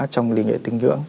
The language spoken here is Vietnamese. trong lý nghệ tín ngưỡng